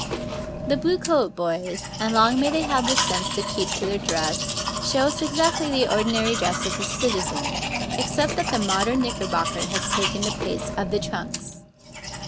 The Bluecoat Boys, and long may they have the sense to keep to their dress, show us exactly the ordinary dress of the citizen, except that the modern knickerbocker has taken the place of the trunks.